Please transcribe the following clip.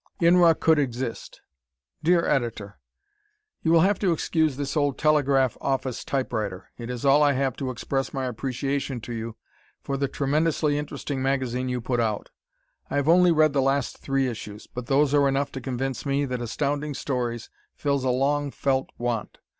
Inra Could Exist Dear Editor: You will have to excuse this old telegraph office typewriter. It is all I have to express my appreciation to you for the tremendously interesting magazine you put out. I have only read the last three issues, but those are enough to convince me that Astounding Stories fills a long felt want.